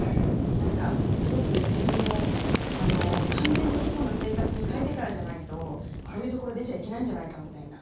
何かすごく自分も完全にエコな生活に変えてからじゃないとこういうところ出ちゃいけないんじゃないかみたいな。